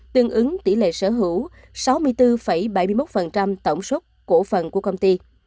tương ứng tỷ lệ sở hữu sáu mươi bốn bảy mươi một tổng số cổ phần của công ty